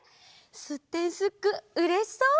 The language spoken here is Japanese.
すってんすっくうれしそう。